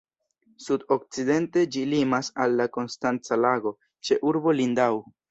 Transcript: Sud-okcidente ĝi limas al la Konstanca Lago, ĉe urbo Lindau.